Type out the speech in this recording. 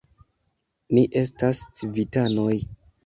Ni estas civitanoj.